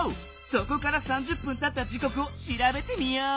そこから３０分たった時こくをしらべてみよう。